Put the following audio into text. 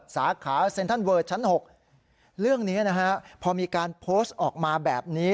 สาขาเซ็นทรัลเวอร์ชั้น๖เรื่องนี้นะฮะพอมีการโพสต์ออกมาแบบนี้